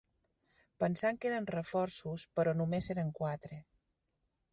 Pensant que eren reforços, però només eren quatre